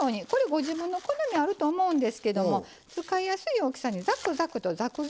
ご自分の好みあると思うんですけども使いやすい大きさにザクザクとザク切りにするんですね。